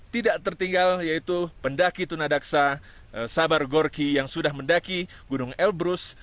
tidak tertinggal yaitu pendaki tunadaksa sabar gorki yang sudah mendaki gunung elbrus